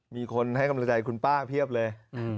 มีคนให้กำลังใจคุณป้าเพียบเลย